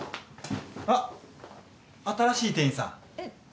あっ新しい店員さん？えっ？